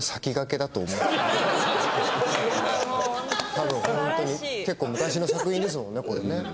多分本当に結構昔の作品ですもんねこれね。